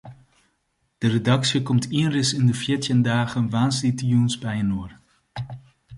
De redaksje komt ienris yn de fjirtjin dagen woansdeitejûns byinoar.